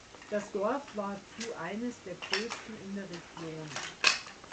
Das Dorf war zu eines der größten in der Region.